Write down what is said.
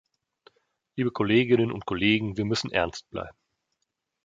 Liebe Kolleginnen und Kollegen, wir müssen ernst bleiben.